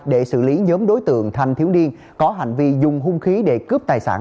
để xử lý nhóm đối tượng thanh thiếu niên có hành vi dùng hung khí để cướp tài sản